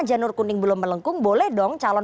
janur kuning belum melengkung boleh dong calon